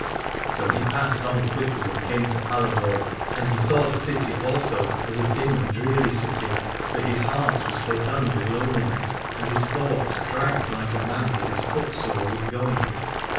So he passed on quickly and came to Paladore : and he saw the city also as a dim and dreary city, for his heart was fordone with loneliness and his thought dragged like a man that is footsore with going.